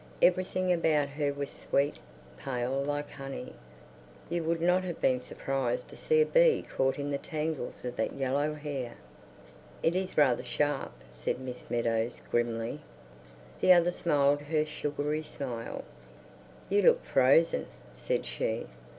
Everything about her was sweet, pale, like honey. You would not have been surprised to see a bee caught in the tangles of that yellow hair. "It is rather sharp," said Miss Meadows, grimly. The other smiled her sugary smile. "You look fro zen," said she.